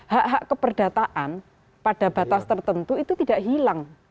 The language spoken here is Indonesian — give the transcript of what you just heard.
hak hak keperdataan pada batas tertentu itu tidak hilang